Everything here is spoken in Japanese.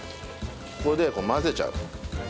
これで混ぜちゃう。